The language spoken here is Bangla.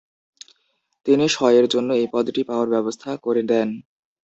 তিনি শয়ের জন্য এই পদটি পাওয়ার ব্যবস্থা করে দেন।